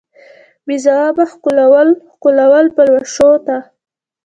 بې ځوابه ښکلو، ښکلو پلوشو ته